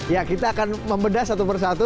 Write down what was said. ya kita akan membedah satu persatu